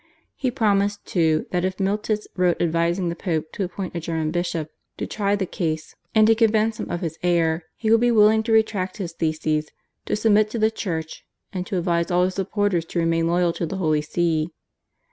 He promised, too, that if Miltitz wrote advising the Pope to appoint a German bishop to try the case and to convince him of his error he would be willing to retract his theses, to submit to the Church, and to advise all his supporters to remain loyal to the Holy See.